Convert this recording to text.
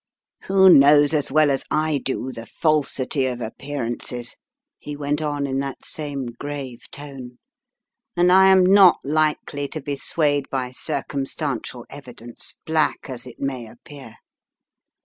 "Who knows as well as I do the falsity of appear ances," he went on in that same grave tone, " and I am not likely to be swayed by circumstantial evi dence, black as it may appear.